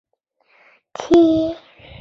是非疑问句是对命题真值的询问。